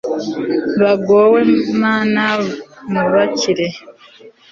bagowe mana nubakire